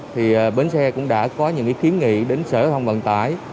thì bến xe cũng đã có những kiến nghị đến sở thông vận tải